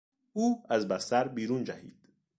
او از بستر بیرون جهید.